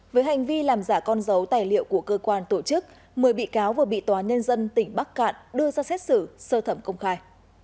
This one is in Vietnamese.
với hành vi làm giả con dấu tài liệu của cơ quan tổ chức một mươi bị cáo vừa bị tòa nhân dân tỉnh bắc cạn đưa ra xét xử sơ thẩm công khai